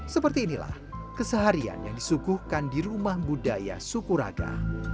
seperti inilah keseharian yang disuguhkan di rumah budaya sukuraga